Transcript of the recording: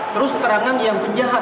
terus keterangan yang penjahat